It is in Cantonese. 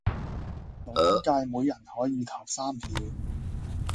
勞工界每人可以投三票